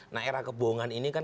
nah era kebohongan ini kan